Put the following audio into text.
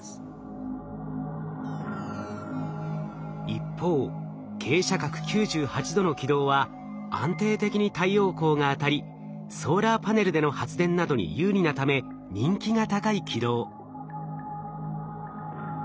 一方傾斜角９８度の軌道は安定的に太陽光が当たりソーラーパネルでの発電などに有利なため人気が高い軌道。